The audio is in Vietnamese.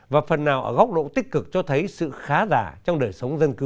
và phần nào ở góc độ tích cực cho thấy sự khá giả trong đời sống dân cư